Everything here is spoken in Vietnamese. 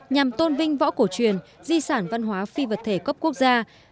nhằm tôn vinh võ cổ truyền di sản văn hóa phi vật việt nam